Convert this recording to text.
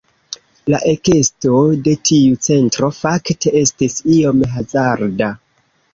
La ekesto de tiu centro fakte estis iom hazarda.